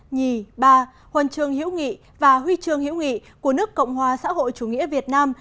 nhì ba huân chương hiểu nghị và huy chương hữu nghị của nước cộng hòa xã hội chủ nghĩa việt nam